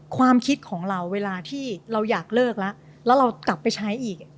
ความคิดของเราเวลาที่เราอยากเลิกแล้วแล้วเรากลับไปใช้อีก